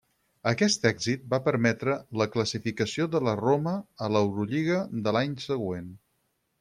Aquest èxit va permetre la classificació de la Roma a l'Eurolliga de l'any següent.